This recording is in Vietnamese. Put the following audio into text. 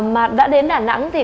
mà đã đến đà nẵng thì